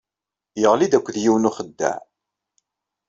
Yeɣli-d akked yiwen n uxeddaɛ.